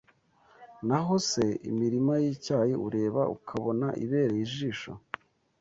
Naho se imirima y’icyayi, ureba ukabona ibereye ijisho!